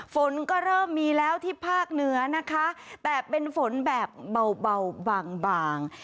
ฝนก็เริ่มมีแล้วที่ภาคเหนือนะคะแต่เป็นฝนแบบเบาบางบาง